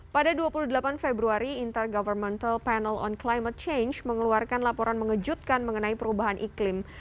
pada dua puluh delapan februari inter governmental panel on climate change mengeluarkan laporan mengejutkan mengenai perubahan iklim